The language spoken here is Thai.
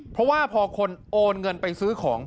เพราะว่าพอคนโอนเงินไปซื้อของ